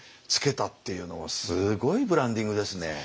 付けたっていうのはすごいブランディングですね。